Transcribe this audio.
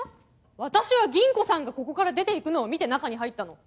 私は銀子さんがここから出て行くのを見て中に入ったの。